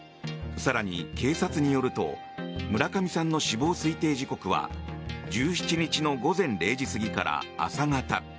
更に、警察によると村上さんの死亡推定時刻は１７日の午前０時過ぎから朝方。